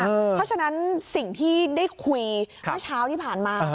เพราะฉะนั้นสิ่งที่ได้คุยเมื่อเช้าที่ผ่านมา